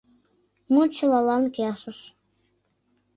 Мут чылалан келшыш.